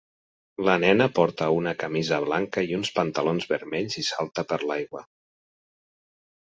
La nena porta una camisa blanca i uns pantalons vermells i salta per l'aigua.